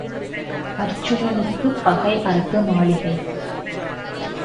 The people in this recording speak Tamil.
அர்ச்சுனனுக்குப் பகை அரக்கு மாளிகை.